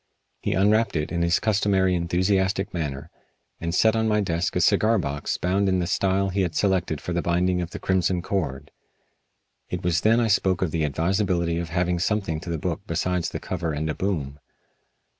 He unwrapped it in his customary enthusiastic manner, and set on my desk a cigar box bound in the style he had selected for the binding of "The Crimson Cord." It was then I spoke of the advisability of having something to the book besides the cover and a boom.